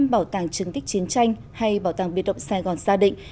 bảo tàng chứng tích chiến tranh hay bảo tàng biệt động sài gòn xa định